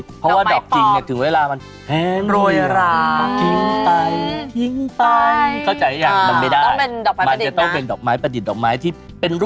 แต่ถ้ามีแฟน